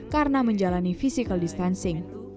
karena menjalani physical distancing